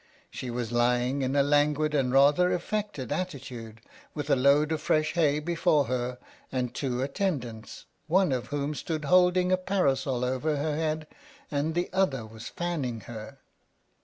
She was lying in a languid and rather affected attitude, with a load of fresh hay before her, and two attendants, one of whom stood holding a parasol over her head, and the other was fanning her.